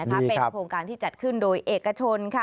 เป็นโครงการที่จัดขึ้นโดยเอกชน